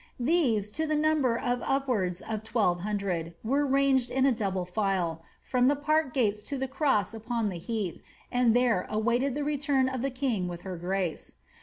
These, to the number of upwards of twelve hundred, were ranged in a double file, from the park gates to the cross upon the heath, and there awaited the return of the king with her giace.